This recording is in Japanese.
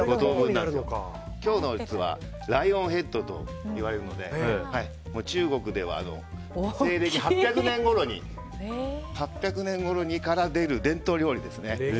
今日の料理はライオンヘッドといわれるので中国では西暦８００年ごろから出ている伝統料理ですね。